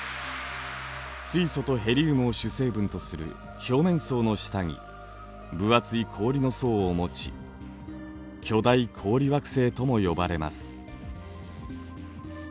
水素とヘリウムを主成分とする表面層の下に分厚い氷の層を持ち巨大氷惑星とも呼ばれます。